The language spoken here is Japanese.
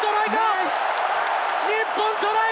日本トライ！